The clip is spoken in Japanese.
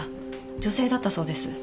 女性だったそうです。